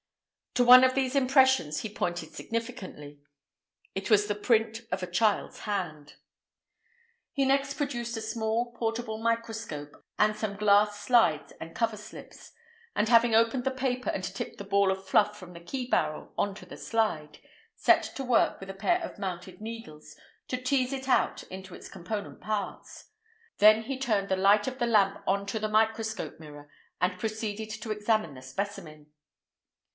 To one of these impressions he pointed significantly. It was the print of a child's hand. He next produced a small, portable microscope and some glass slides and cover slips, and having opened the paper and tipped the ball of fluff from the key barrel on to a slide, set to work with a pair of mounted needles to tease it out into its component parts. Then he turned the light of the lamp on to the microscope mirror and proceeded to examine the specimen.